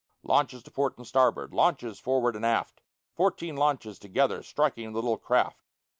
Launches to port and starboard, launches forward and aft, Fourteen launches together striking the little craft.